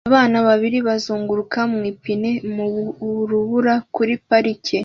Abana babiri bazunguruka mu ipine mu rubura kuri parike